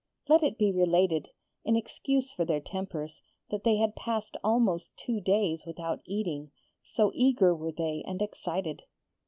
Let it be related, in excuse for their tempers, that they had passed almost two days without eating, so eager were they and excited.